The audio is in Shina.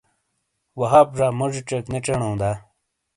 وہاب زا موجی چیک نے چینو دا؟